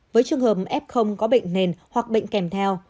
với trường hợp f có bệnh nền hoặc bệnh kèm theo